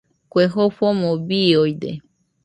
Kue jofomo biooide.